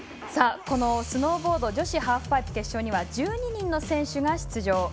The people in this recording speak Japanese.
このスノーボード女子ハーフパイプ決勝には１２人の選手が出場。